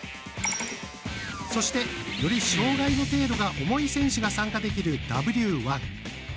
そして、より障がいの程度が重い選手が参加できるＷ１。